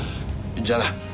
じゃあな。